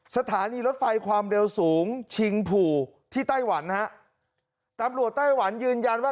สถานีรถไฟความเร็วสูงชิงผูที่ไต้หวันฮะตำรวจไต้หวันยืนยันว่า